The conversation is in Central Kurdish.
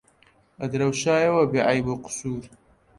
ئەدرەوشایەوە بێعەیب و قوسوور